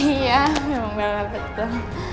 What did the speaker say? iya memang betul